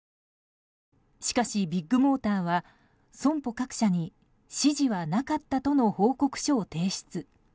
しかし、ビッグモーターは損保各社に指示はなかったとの報告書を提出。